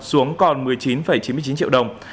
xuống còn một mươi chín chín mươi chín triệu đồng